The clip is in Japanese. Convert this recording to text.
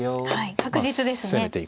確実ですね。